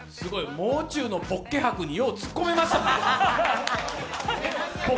もう中のポッケ博によう突っ込めましたね。